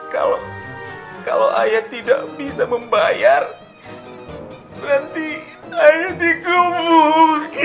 kalo kalo ayah tidak bisa membayar nanti ayah dikebuki